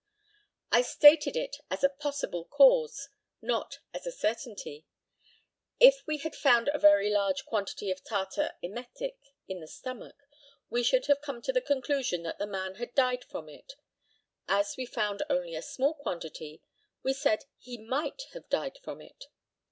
I stated it as a possible case, not as a certainty. If we had found a very large quantity of tartar emetic in the stomach, we should have come to the conclusion that the man had died from it; as we found only a small quantity, we said he might have died from it.